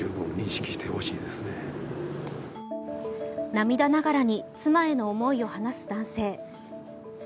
涙ながらに妻への思いを話す男性。